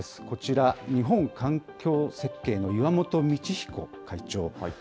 こちら、日本環境設計の岩元美智彦会長。